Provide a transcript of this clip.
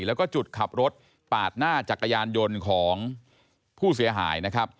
แล้วก็จุดขับรถปาดหน้าจักรยานยนต์ของผู้เสียหายนะครับ